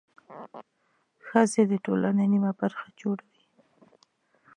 ښځې د ټولنې نميه برخه جوړوي.